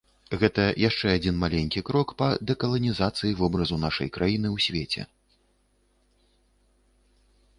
Гэта яшчэ адзін маленькі крок па дэкаланізацыі вобразу нашай краіны ў свеце.